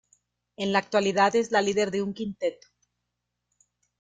En la actualidad es la líder de un quinteto.